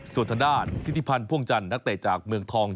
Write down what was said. ส่วนทางด้านทิศิพันธ์พ่วงจันทร์นักเตะจากเมืองทอง